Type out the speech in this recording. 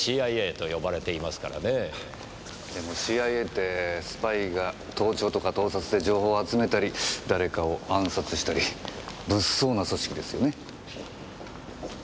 でもＣＩＡってスパイが盗聴とか盗撮で情報を集めたり誰かを暗殺したり物騒な組織ですよね？